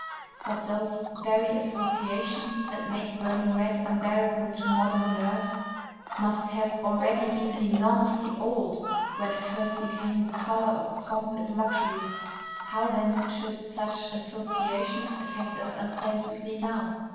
_" But those very associations that make burning red unbearable to modern nerves must have already been enormously old when it first became the color of pomp and luxury. How then should such associations affect us unpleasantly now?